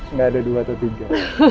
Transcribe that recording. nggak ada dua atau tiga